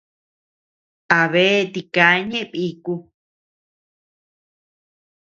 A bea tika ñeʼe biku.